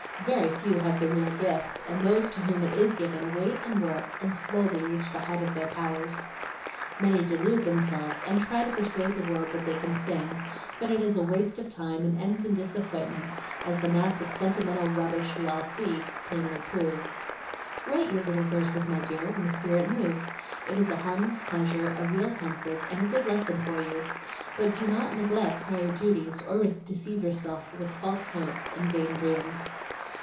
Very few have the real gift, and those to whom it IS given wait and work and slowly reach the height of their powers. Many delude themselves, and try to persuade the world that they can sing; but it is waste of time, and ends in disappointment, as the mass of sentimental rubbish we all see plainly proves. Write your little verses, my dear, when the spirit moves, it is a harmless pleasure, a real comfort, and a good lesson for you; but do not neglect higher duties or deceive yourself with false hopes and vain dreams.